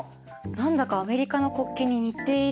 何だかアメリカの国旗に似ているけど。